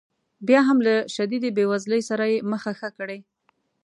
بیا هم له شدیدې بې وزلۍ سره یې مخه ښه کړې.